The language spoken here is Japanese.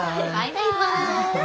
バイバイ。